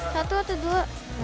satu atau dua